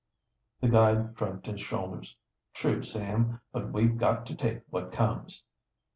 The guide shrugged his shoulders. "True, Sam, but we've got to take what comes."